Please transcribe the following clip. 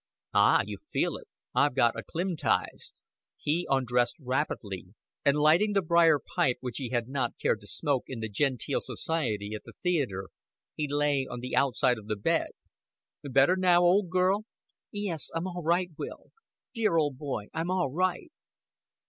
"Ah, you feel it. I've got acclim'tized." He undressed rapidly, and lighting the briar pipe which he had not cared to smoke in the genteel society at the theater, he lay on the outside of the bed. "Better now, old girl?" "Yes. I'm all right, Will. Dear old boy I'm all right."